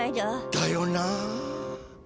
だよな。